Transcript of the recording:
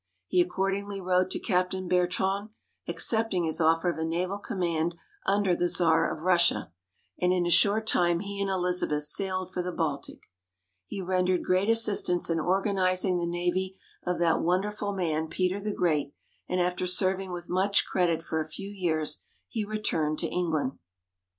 He accordingly wrote to Captain Bertrand, accepting his offer of a naval command under the Czar of Russia; and in a short time he and Elizabeth sailed for the Baltic. He rendered great assistance in organising the navy of that wonderful man Peter the Great, and after serving with much credit for a few years, he returned to England.